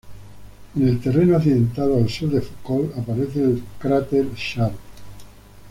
En el terreno accidentado al sur de Foucault aparece el cráter Sharp.